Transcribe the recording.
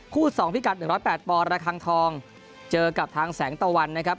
คู่สองภิกัด๑๐๘ปวลมันละทางทองเจอกับทางแสงตะวันนะครับ